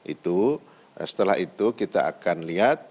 itu setelah itu kita akan lihat